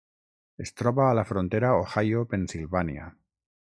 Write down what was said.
Es troba a la frontera Ohio-Pennsilvània.